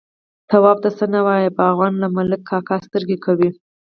_تواب ته څه نه وايي، باغوان، له ملک کاکا سترګه کوي.